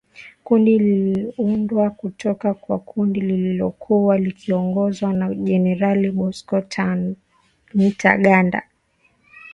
Kundi liliundwa kutoka kwa kundi lililokuwa likiongozwa na Generali Bosco Ntaganda.